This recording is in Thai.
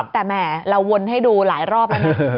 แต่แหมเราวนให้ดูหลายรอบแล้วนะ